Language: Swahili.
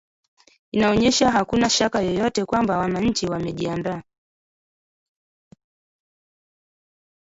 inaonyesha hakuna shaka yoyote kwamba wananchi wamejiandaa